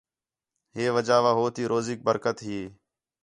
ہے وجہ وا ہو تی روزیک برکت ہی